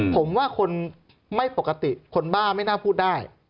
ผมว่าคนไม่ปกติคนบ้าไม่น่าพูดได้